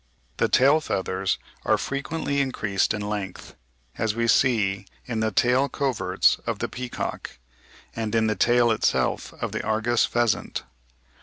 The tail feathers are frequently increased in length; as we see in the tail coverts of the peacock, and in the tail itself of the Argus pheasant.